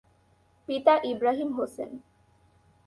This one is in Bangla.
পিতা ইবরাহিম হোসেন।